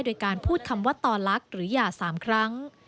โดยการพูดคำว่าต่อลักษณ์หรือหย่า๓ครั้ง